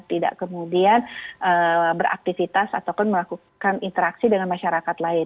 tidak kemudian beraktivitas ataupun melakukan interaksi dengan masyarakat lain